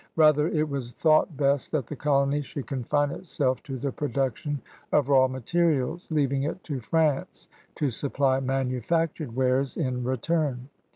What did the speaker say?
Rather it was thought best that the colony should confine itself to the production of raw materials, leaving it to France to supply manufactured wares in return.